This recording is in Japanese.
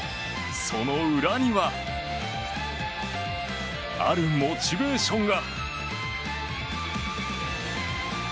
その裏にはあるモチベーションが。